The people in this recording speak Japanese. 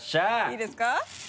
いいですか？